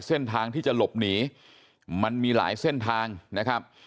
เส้นทางที่จะหลบหนีมันมีหลายเส้นทางนะครับ